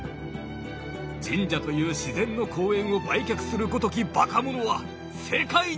「神社という自然の公園を売却する如き馬鹿者は世界に無し！」。